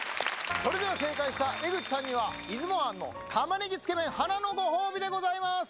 それでは正解した江口さんには、いづも庵の玉ねぎつけめん華のご褒美でございます。